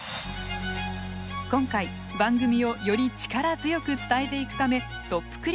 今回番組をより力強く伝えていくためトップ